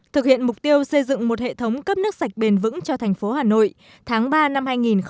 thực hiện mục tiêu xây dựng một hệ thống cấp nước sạch bền vững cho thành phố hà nội tháng ba năm hai nghìn hai mươi